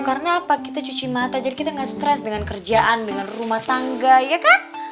karena apa kita cuci mata jadi kita ga stress dengan kerjaan dengan rumah tangga ya kan